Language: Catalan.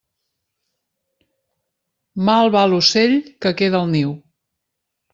Mal va l'ocell que queda al niu.